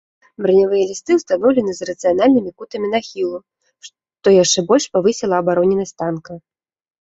Бранявыя лісты ўстаноўлены з рацыянальнымі кутамі нахілу, што яшчэ больш павысіла абароненасць танка.